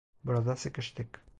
Burada sıkıştık.